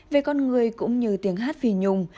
về con người cũng như tiếng hát phi nhung